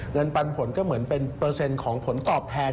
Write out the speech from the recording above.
ปันผลก็เหมือนเป็นเปอร์เซ็นต์ของผลตอบแทน